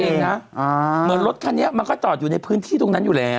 เหมือนรถคันนี้มันก็จอดอยู่ในพื้นที่ตรงนั้นอยู่แล้ว